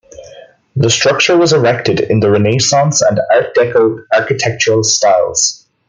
The structure was erected in the Renaissance and Art Deco architectural styles.